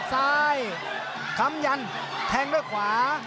คัมยันแทงด้วยขวา